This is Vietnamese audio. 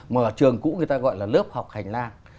mà trường cũ người ta gọi là lớp học hành lan